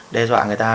đe dọa người ta